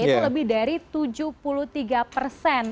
itu lebih dari tujuh puluh tiga persen